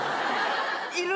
いる？